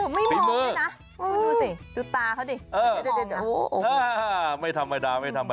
ไม่มองด้วยนะปิดมือ